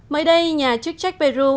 mới đây nhà chức trách peru